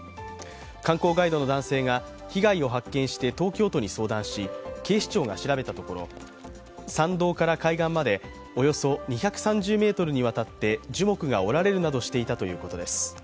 観光ガイドの男性が被害を発見して東京都に相談し警視庁が調べたところ、山道から海岸までおよそ２３０ｍにわたって樹木が折られるなどしていたということです。